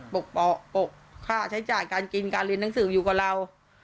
ปกค่าใช้จ่ายการกินการเรียนหนังสืออยู่กับเรา